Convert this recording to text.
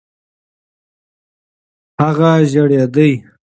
هغه ژړېدی .